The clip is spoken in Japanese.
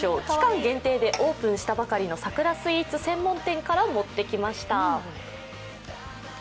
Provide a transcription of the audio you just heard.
期間限定でオープンしたばかりの桜スイーツ専門店から持ってきました。